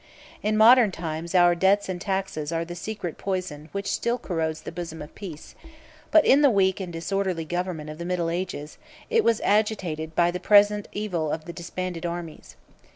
In modern times our debts and taxes are the secret poison which still corrodes the bosom of peace: but in the weak and disorderly government of the middle ages, it was agitated by the present evil of the disbanded armies.